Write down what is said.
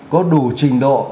có đủ trình độ